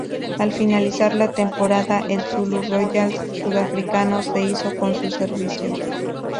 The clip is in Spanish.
Al finalizar la temporada el Zulu Royals sudafricano se hizo con sus servicios.